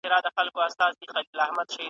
وارخطا سوه لالهانده ګرځېدله .